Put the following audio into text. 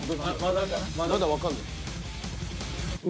まだわかんない。